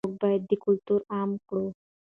موږ باید دا کلتور عام کړو.